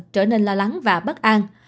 trở nên lo lắng và bất an